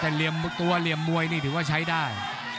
แต่เรียบตัวเรียบมวยนี่ถือว่าใช้ได้